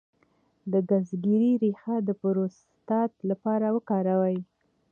د ګزګیرې ریښه د پروستات لپاره وکاروئ